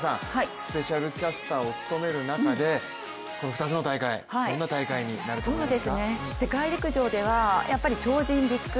スペシャルキャスターを務める中で、この２つの大会、どんな大会になると思いますか？